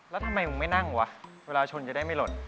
แล้วทำไมมึงไม่นั่งวะเวลาชนจะได้ไม่หล่น